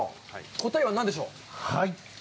答えは何でしょう？